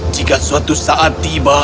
jika suatu saat tiba